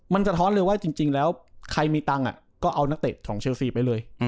มันสะท้อนเลยว่าจริงแล้วใครมีตังค์ก็เอานักเตะของเชลซีไปเลย